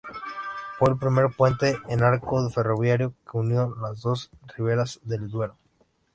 Fue el primer puente en arco ferroviario que unió las dos riberas del Duero.